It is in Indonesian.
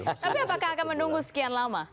tapi apakah akan menunggu sekian lama